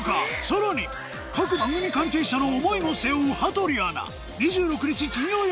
さらに各番組関係者の思いも背負う羽鳥アナ